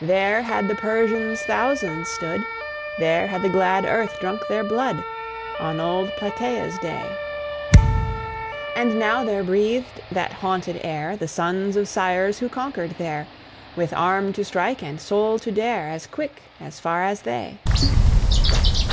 There had the Persian's thousands stood, There had the glad earth drunk their blood On old Platæa's day; And now there breathed that haunted air The sons of sires who conquered there, With arm to strike and soul to dare, As quick, as far as they.